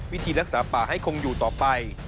วิธีรักษาป่าให้คงอยู่ต่อไป